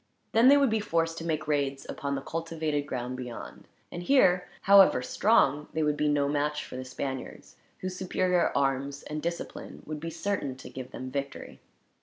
Then they would be forced to make raids upon the cultivated ground beyond; and here, however strong, they would be no match for the Spaniards, whose superior arms and discipline would be certain to give them victory.